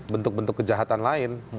bentuk bentuk kejahatan lain